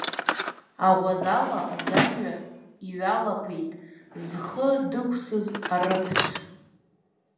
Аӷәазала аӡамҩа иҩалапеит, зхы дықәсыз арыԥҵә.